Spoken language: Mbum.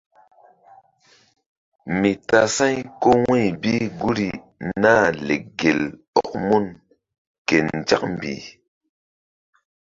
Mi tasa̧y ko wu̧y bi guri Nah lek gel ɔk mun ké nzak mbih.